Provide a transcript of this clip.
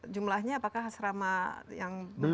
jumlahnya apakah asrama yang